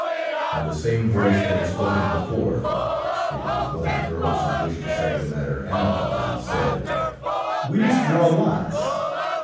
And the same voice that had spoken before, (it was one of the girls who wished to settle the matter amicably), said: "We must draw lots."